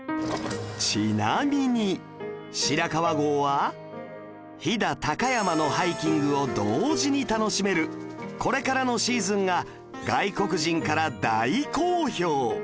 ちなみに白川郷は飛騨高山のハイキングを同時に楽しめるこれからのシーズンが外国人から大好評！